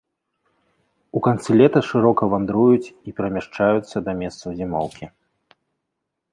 У канцы лета шырока вандруюць і перамяшчаюцца да месцаў зімоўкі.